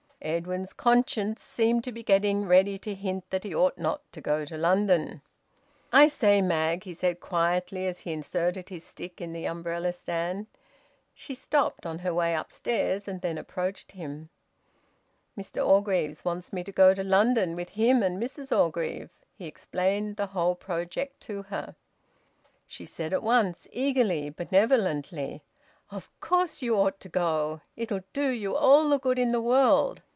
Edwin's conscience seemed to be getting ready to hint that he ought not to go to London. "I say, Mag," he said quietly, as he inserted his stick in the umbrella stand. She stopped on her way upstairs, and then approached him. "Mr Orgreave wants me to go to London with him and Mrs Orgreave." He explained the whole project to her. She said at once, eagerly and benevolently "Of course you ought to go. It'll do you all the good in the world.